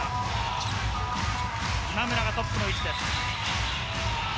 今村がトップの位置。